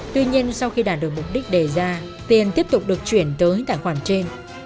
tuy nhiên sau khi đạt được mục đích đề ra tiền tiếp tục được chuyển tới tài khoản trên